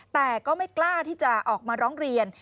แต่ก็ไม่กล้าที่จะออกมาร้องเรียน